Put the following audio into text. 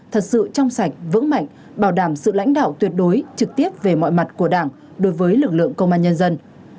thật sự trong sạch vững mạnh bảo đảm sự lãnh đạo tuyệt đối trực tiếp về mọi mặt của đảng đối với lực lượng công an nhân dân